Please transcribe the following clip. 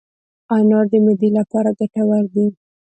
انار د معدې لپاره ګټور دی.